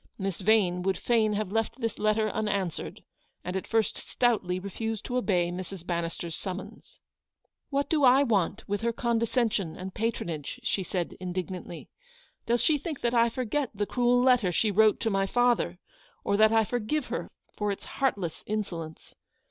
Miss Yane would fain have left this letter unanswered, and at first stoutly refused to obey Mrs. Bannister's summons. " What do I want with her condescension and patronage ? w she said, indignantly. tc Does she think that I forget the cruel letter she wrote to my father; or that I forgive her for its heartless insolence